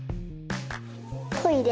トイレ。